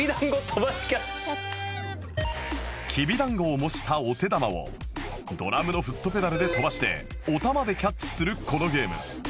きびだんごを模したお手玉をドラムのフットペダルで飛ばしておたまでキャッチするこのゲーム